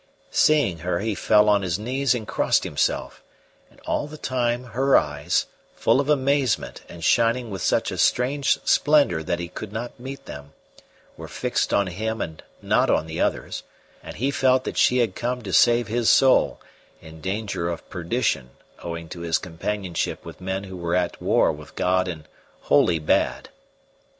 Seeing her he fell on his knees and crossed himself; and all the time her eyes, full of amazement and shining with such a strange splendour that he could not meet them, were fixed on him and not on the others; and he felt that she had come to save his soul, in danger of perdition owing to his companionship with men who were at war with God and wholly bad.